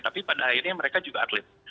tapi pada akhirnya mereka juga atlet